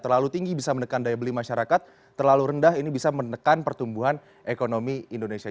terlalu tinggi bisa menekan daya beli masyarakat terlalu rendah ini bisa menekan pertumbuhan ekonomi indonesia